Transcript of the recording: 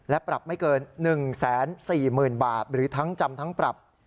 และปรับไม่เกิน๑๔๐๐๐บาทหรือทั้งจำทั้งปรับ